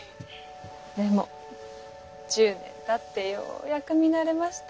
でも１０年たってようやく見慣れました。